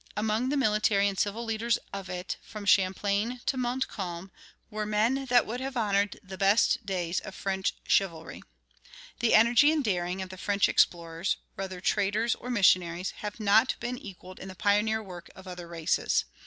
Among the military and civil leaders of it, from Champlain to Montcalm, were men that would have honored the best days of French chivalry. The energy and daring of the French explorers, whether traders or missionaries, have not been equaled in the pioneer work of other races.